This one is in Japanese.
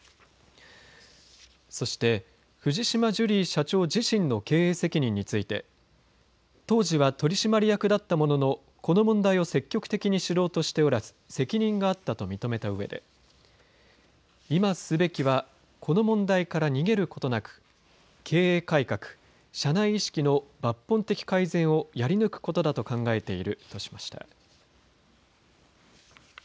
そして、藤島ジュリー社長自身の経営責任について当時は取締役だったもののこの問題を積極的に知ろうとしておらず責任があったと認めたうえで今すべきはこの問題から逃げることなく経営改革、社内意識の抜本的改善をやり抜くことだと考えているとしました。